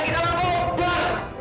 kita langsung berubah